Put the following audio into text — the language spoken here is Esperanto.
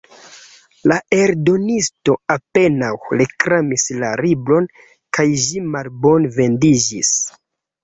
La eldonisto apenaŭ reklamis la libron, kaj ĝi malbone vendiĝis.